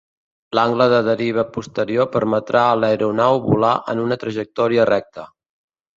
L'angle de deriva posterior permetrà a l'aeronau volar en una trajectòria recta.